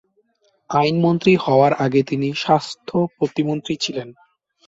আইনমন্ত্রী হওয়ার আগে তিনি স্বাস্থ্য প্রতিমন্ত্রী ছিলেন।